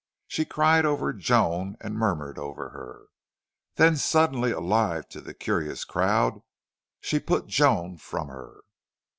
She cried over Joan and murmured over her. Then, suddenly alive to the curious crowd, she put Joan from her.